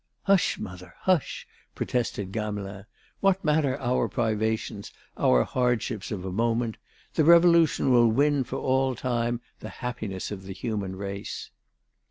"Hush, mother, hush!" protested Gamelin. "What matter our privations, our hardships of a moment? The Revolution will win for all time the happiness of the human race."